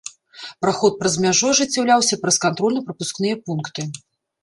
Праход праз мяжу ажыццяўляўся праз кантрольна-прапускныя пункты.